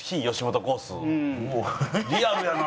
リアルやな！